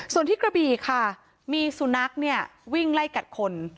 ส่วนที่กระบี่ค่ะมีสุนัขเนี่ยวิ่งไล่กัดคน